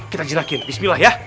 kita jinakin bismillah ya